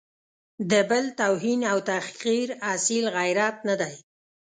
د بل توهین او تحقیر اصیل غیرت نه دی.